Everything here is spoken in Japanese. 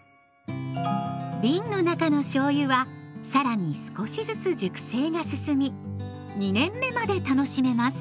瓶の中のしょうゆは更に少しずつ熟成が進み２年目まで楽しめます。